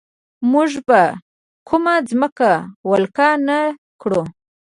موږ به کومه ځمکه ولکه نه کړو.